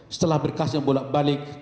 setelah berkas yang bolak balik